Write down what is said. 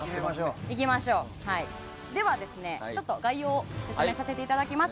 では、概要を説明させていただきます。